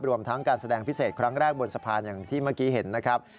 รวมทั้งการแสดงพิเศษครั้งแรกบนสะพานอย่างที่เมื่อกี้เห็นนะครับ